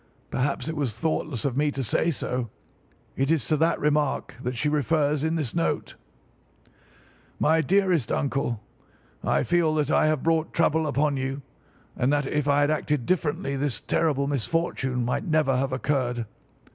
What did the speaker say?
Perhaps it was thoughtless of me to say so. It is to that remark that she refers in this note: "'MY DEAREST UNCLE,—I feel that I have brought trouble upon you, and that if I had acted differently this terrible misfortune might never have occurred.